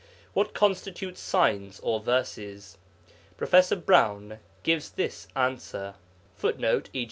What constitutes 'signs' or verses? Prof. Browne gives this answer: [Footnote: E.